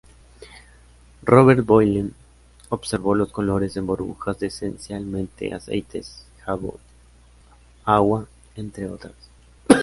Robert Boyle observó los colores en burbujas de esencialmente aceites, jabón, agua entre otras.